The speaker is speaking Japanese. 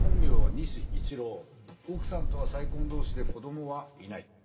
奥さんとは再婚同士で子供はいない。